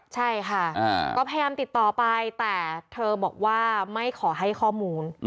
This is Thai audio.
ใช่ค่ะก็พยายามติดต่อไปแต่เธอบอกว่าไม่ขอให้ข้อมูล